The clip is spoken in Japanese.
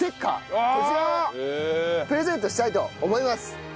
こちらをプレゼントしたいと思います。